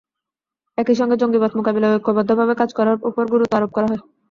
একই সঙ্গে জঙ্গিবাদ মোকাবিলায় ঐক্যবদ্ধভাবে কাজ করার ওপর গুরুত্ব আরোপ করা হয়।